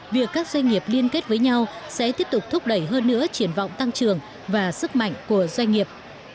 việc các doanh nghiệp liên kết với nhau sẽ tiếp tục thúc đẩy hơn nữa triển vọng tăng trưởng và sức mạnh của doanh nghiệp